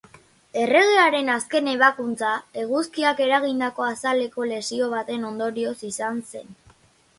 Erregearen azken ebakuntza eguzkiak eragindako azaleko lesio baten ondorioz izan zen.